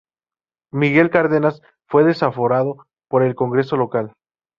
Miguel Cárdenas fue desaforado por el Congreso Local.